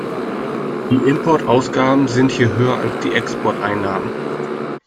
Die Import-Ausgaben sind hier höher als die Export-Einnahmen.